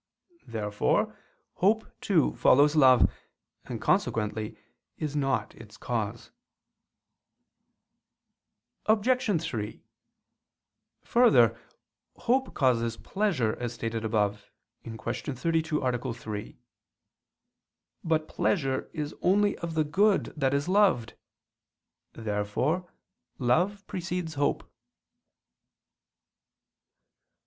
Therefore hope, too, follows love, and consequently is not its cause. Obj. 3: Further, hope causes pleasure, as stated above (Q. 32, A. 3). But pleasure is only of the good that is loved. Therefore love precedes hope.